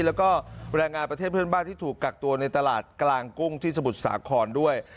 แล้วก็แรงงานประเทศเพื่อนบ้านที่ถูกกักตัวในตลาดกลางกุ้งที่สมุทรสาครด้วย